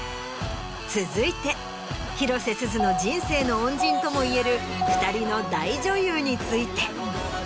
続いて広瀬すずの人生の恩人ともいえる２人の大女優について。